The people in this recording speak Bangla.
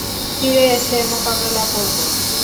ফিরে এসে মোকাবেলা করবো।